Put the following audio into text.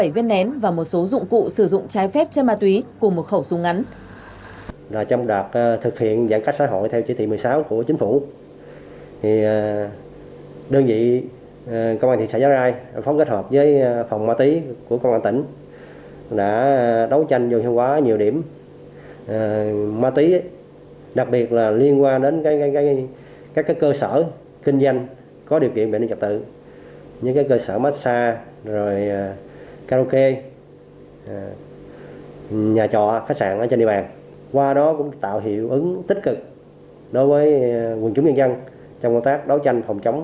ba mươi bảy viên nén và một số dụng cụ sử dụng trái phép chân ma túy cùng một khẩu súng ngắn